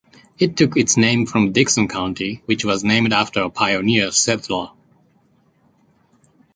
It took its name from Dixon County, which was named for a pioneer settler.